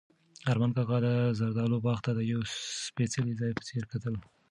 ارمان کاکا د زردالو باغ ته د یو سپېڅلي ځای په څېر کتل.